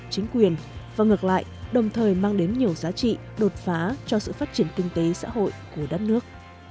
chính quyền và ngược lại đồng thời mang đến nhiều giá trị đột phá cho sự phát triển kinh tế xã hội của đất nước